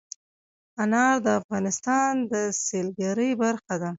انار د افغانستان د سیلګرۍ برخه ده.